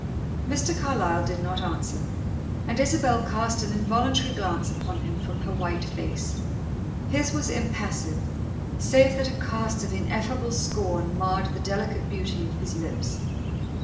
Mr. Carlyle did not answer, and Isabel cast an involuntary glance upon him from her white face. His was impassive, save that a cast of ineffable scorn marred the delicate beauty of his lips.